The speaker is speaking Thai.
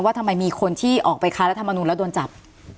ทำไมมีคนที่ออกไปค้ารัฐมนุนแล้วโดนจับ